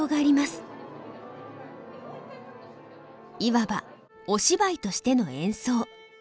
いわば「お芝居」としての演奏。